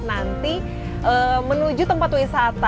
nanti menuju tempat wisata